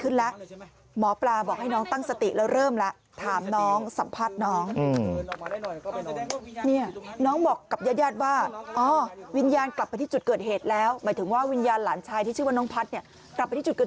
นิ่งเลยสัมผัสน้องแล้วก็ไม่ได้มีอาการอะไรผิดแปลก